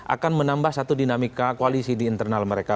akan menambah satu dinamika koalisi di internal mereka